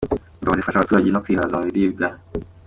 Ingabo zifasha abaturage no kwihaza mu biribwa .